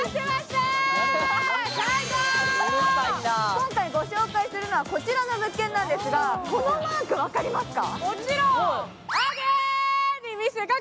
今回ご紹介するのはこちら物件なんですが、このマーク分かりますか？